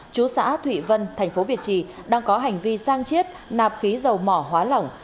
chú xã thụy vân tp việt trì đang có hành vi sang chiết nạp khí dầu mỏ hóa lỏng